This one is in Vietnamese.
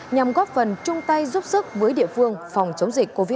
nhằm góp phần chung tay giúp sức với địa phương phòng chống dịch covid một mươi chín